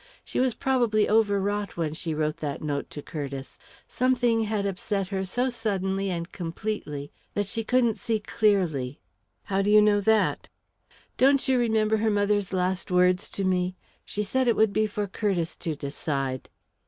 She was probably overwrought when she wrote that note to Curtiss something had upset her so suddenly and completely that she couldn't see clearly." "How do you know that?" "Don't you remember her mother's last words to me? She said it would be for Curtiss to decide."